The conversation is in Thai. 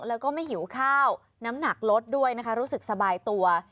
แล้วก็ไม่หิวข้าวน้ำหนักลดด้วยนะคะรู้สึกสบายตัว